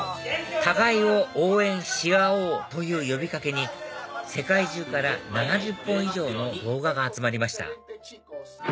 互いを応援し合おうという呼び掛けに世界中から７０本以上の動画が集まりました